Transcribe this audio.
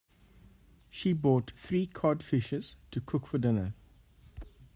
She bought three cod fishes to cook for dinner.